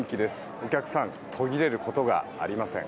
お客さん途切れることがありません。